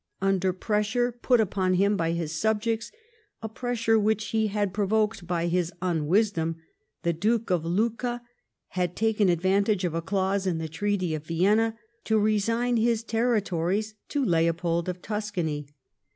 Under ])ressure, put upon him by his subjects, a pressure which he had provoked by his unwisdom, the Duke of Lucca had taken advantage of a clause in the treaty of Vienna to resign his territories to Leopold of Tuscany.